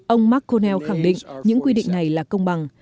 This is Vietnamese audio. ông mcconnell khẳng định những quy định này là công bằng